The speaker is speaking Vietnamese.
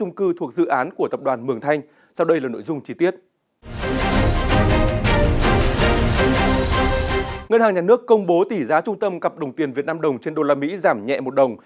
ngân hàng nhà nước công bố tỷ giá trung tâm cặp đồng tiền việt nam đồng trên đô la mỹ giảm nhẹ một đồng